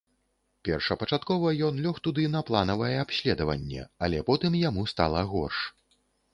Першапачаткова ён лёг туды на планавае абследаванне, але потым яму стала горш.